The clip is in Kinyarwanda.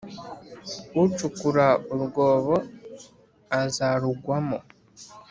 Ucukura urwobo azarugwamo,